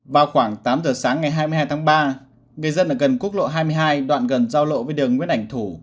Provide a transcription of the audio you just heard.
vào khoảng tám giờ sáng ngày hai mươi hai tháng ba người dân ở gần quốc lộ hai mươi hai đoạn gần giao lộ với đường nguyễn ảnh thủ